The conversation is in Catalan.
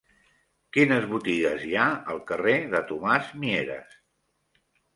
Quines botigues hi ha al carrer de Tomàs Mieres?